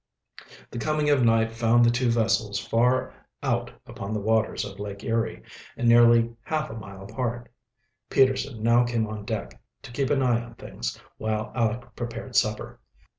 The coming of night found the two vessels far out upon the waters of Lake Erie and nearly half a mile apart. Peterson now came on deck, to keep an eye on things while Aleck prepared supper.